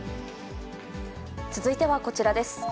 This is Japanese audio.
続いてはこちらです。